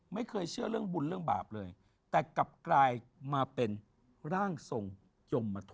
ไม่เคยเชื่อเรื่องบุญเรื่องบาปเลยแต่กลับกลายมาเป็นร่างทรงยมโท